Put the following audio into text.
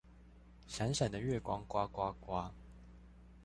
閃閃的月光呱呱呱